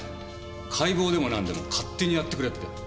「解剖でもなんでも勝手にやってくれ」ってこうですよ。